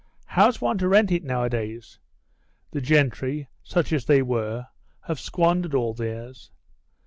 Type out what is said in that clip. "How's one to rent it nowadays? The gentry, such as they were, have squandered all theirs.